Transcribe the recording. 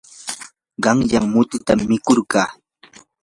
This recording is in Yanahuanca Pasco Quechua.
qanyan mutitam mikurqaa.